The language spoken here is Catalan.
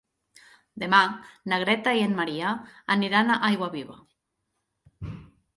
Demà na Greta i en Maria aniran a Aiguaviva.